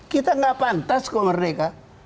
kita gak pantas kok merdeka